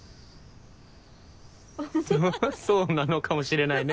そそうなのかもしれないね。